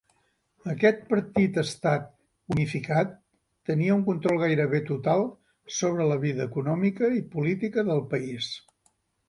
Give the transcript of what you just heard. Aquest partit-estat unificat tenia un control gairebé total sobre la vida econòmica i política de país.